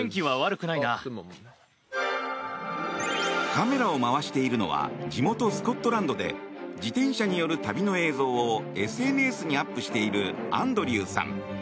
カメラを回しているのは地元スコットランドで自転車による旅の映像をＳＮＳにアップしているアンドリューさん。